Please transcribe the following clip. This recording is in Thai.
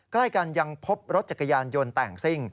ใกล้กันยังพบรถจักรยานยนต์แต่งซิ่ง